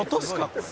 これ」